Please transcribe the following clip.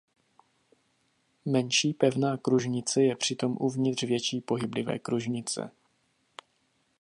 Menší pevná kružnice je přitom uvnitř větší pohyblivé kružnice.